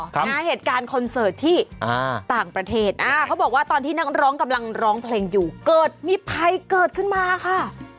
นะเหตุการณ์คอนเสิร์ตที่อ่าต่างประเทศอ่าเขาบอกว่าตอนที่นักร้องกำลังร้องเพลงอยู่เกิดมีภัยเกิดขึ้นมาค่ะ